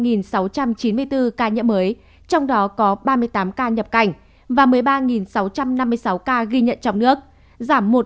ghi nhận một nghìn sáu trăm chín mươi bốn ca nhiễm mới trong đó có ba mươi tám ca nhập cảnh và một mươi ba sáu trăm năm mươi sáu ca ghi nhận trong nước